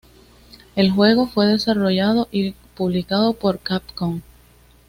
El juego fue desarrollado y publicado por Capcom.